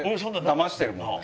だましてるもんね。